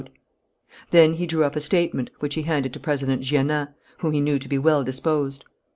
Then he drew up a statement, which he handed to President Jeannin, whom he knew to be well disposed.